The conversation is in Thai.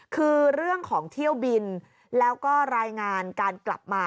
คือเรื่องของเที่ยวบินแล้วก็รายงานการกลับมา